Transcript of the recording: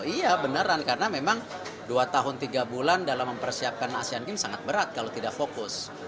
iya beneran karena memang dua tahun tiga bulan dalam mempersiapkan asean games sangat berat kalau tidak fokus